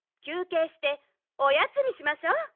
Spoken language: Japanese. きゅうけいしておやつにしましょう！